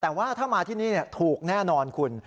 แต่ว่าถ้ามาที่นี่ถูกแน่นอนคุณ